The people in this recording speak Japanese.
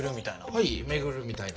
はい巡るみたいな。